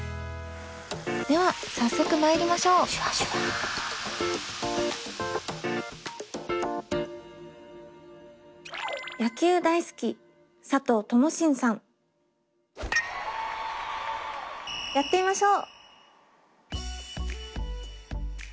では早速まいりましょうやってみましょう。